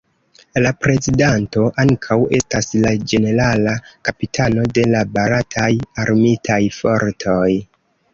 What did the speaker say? La Prezidanto ankaŭ estas la Ĝenerala Kapitano de la Barataj Armitaj Fortoj.